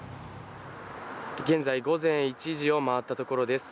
現在、午前１時を回ったところです。